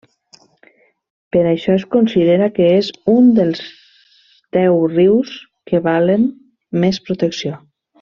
Per això es considera que és un dels deu rius que valen més protecció.